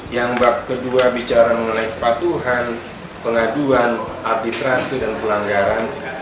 yang bab kedua bicara mengenai kepatuhan pengaduan administrasi dan pelanggaran